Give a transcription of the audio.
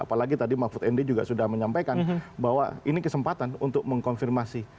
apalagi tadi mahfud md juga sudah menyampaikan bahwa ini kesempatan untuk mengkonfirmasi